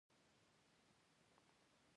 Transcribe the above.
ته د علي په کار سر مه ګرځوه.